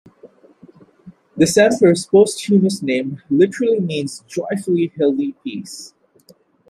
This emperor's posthumous name literally means "joyfully healthy peace".